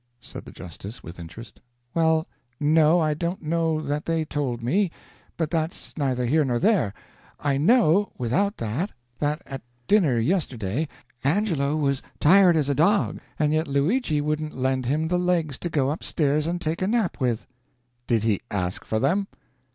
said the Justice, with interest. "Well, no, I don't know that they told me, but that's neither here nor there. I know, without that, that at dinner yesterday, Angelo was as tired as a dog, and yet Luigi wouldn't lend him the legs to go up stairs and take a nap with." "Did he ask for them?"